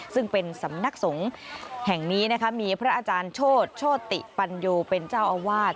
ซึ่งเป็นสำนักสงฆ์แห่งนี้นะคะมีพระอาจารย์โชธโชติปัญโยเป็นเจ้าอาวาส